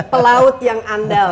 pelaut yang andal